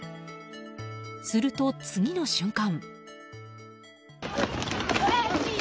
すると、次の瞬間。